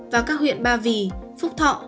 và các huyện ba vì phúc thọ